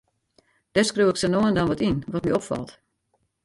Dêr skriuw ik sa no en dan wat yn, wat my opfalt.